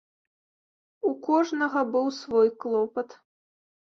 У кожнага быў свой клопат.